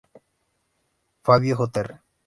Fábio Jr.